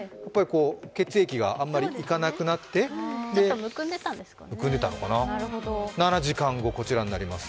血液があまりいかなくなって、７時間後、こちらになります。